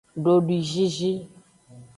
Dodwizizi.